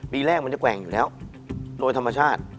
ปีแรกมันจะแกว่งอยู่แล้วโดยธรรมชาติ